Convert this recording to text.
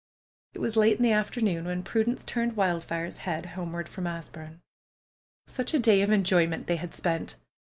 It was late in the afternoon when Prudence turned Wildfire's head homeward from Asburne. Such a day of enjoyment they had spent